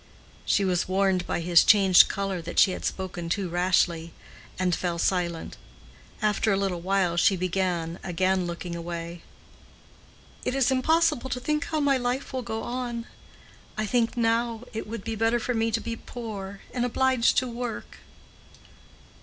She was warned by his changed color that she had spoken too rashly, and fell silent. After a little while she began, again looking away, "It is impossible to think how my life will go on. I think now it would be better for me to be poor and obliged to work."